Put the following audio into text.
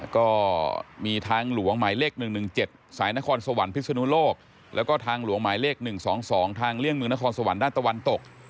ก็มีทางหลวงหมายเลข๑๑๗สายนครสวรรค์พิศนุโลกแล้วก็ทางหลวงหมายเลข๑๒๒ทางเลี่ยงเมืองนครสวรรค์ด้านตะวันตก